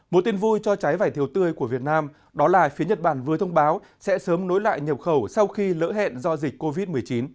một tin vui cho trái vải thiều tươi của việt nam đó là phía nhật bản vừa thông báo sẽ sớm nối lại nhập khẩu sau khi lỡ hẹn do dịch covid một mươi chín